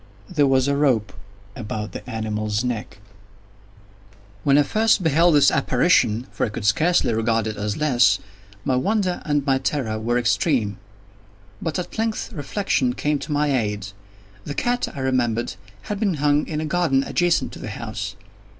There was a rope about the animal's neck. When I first beheld this apparition—for I could scarcely regard it as less—my wonder and my terror were extreme. But at length reflection came to my aid. The cat, I remembered, had been hung in a garden adjacent to the house.